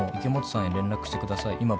池本さんへ連絡してください」